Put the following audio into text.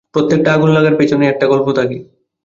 প্রত্যেকটা আগুন লাগার পেছনেই একটা গল্প থাকে।